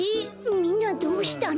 みんなどうしたの？